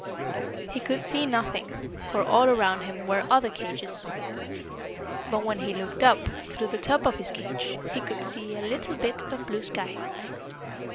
He could see nothing, for, all around him, were other cages. But when he looked up, through the top of his cage, he could see a little bit of blue sky.